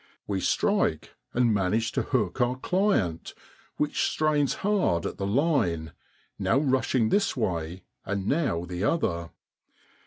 We strike, and manage to hook our client, which strains hard at the line, now rushing this way and now the other.